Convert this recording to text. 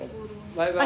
バイバイ。